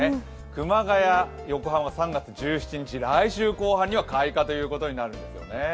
熊谷、横浜は３月１７日、来週後半には開花ということになるんですね。